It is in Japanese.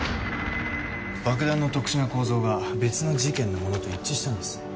爆弾の特殊な構造が別の事件の物と一致したんです。